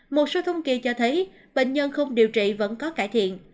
một số thông kỳ cho thấy bệnh nhân không điều trị vẫn có cải thiện